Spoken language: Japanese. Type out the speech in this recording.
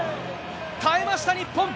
耐えました、日本。